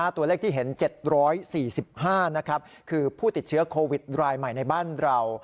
ตัวเลขที่เห็น๗๔๕คือผู้ติดเชื้อโควิดรายใหม่ในบ้านเรา